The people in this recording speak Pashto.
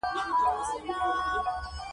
جميله پوښتنه وکړه: ته له یوازیتوب نه ډاریږې؟